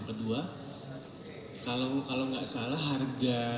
kedua kalau nggak salah harga